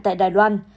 tại đài loan